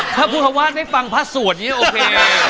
ถ้าพูดคำว่าได้ฟังพระสวดนี้โอเค